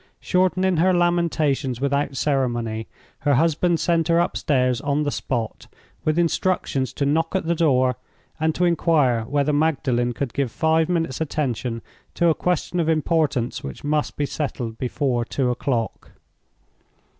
Shortening her lamentations without ceremony, her husband sent her upstairs on the spot, with instructions to knock at the door, and to inquire whether Magdalen could give five minutes' attention to a question of importance which must be settled before two o'clock.